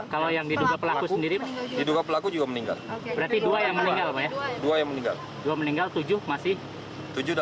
kalau yang thomas sendiri juga pelaku juga meninggal heti doa ayan menanggap dua yang aldam meninggal